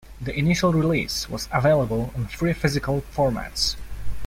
The initial release was available on three physical formats.